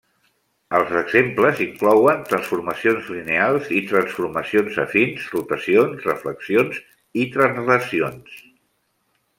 Els exemples inclouen transformacions lineals i transformacions afins, rotacions, reflexions i translacions.